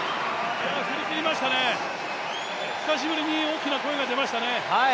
振り切りましたね、久しぶりに大きな声が出ましたね。